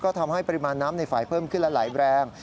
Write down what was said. ทำให้ปริมาณน้ำในฝ่ายเพิ่มขึ้นและไหลแรง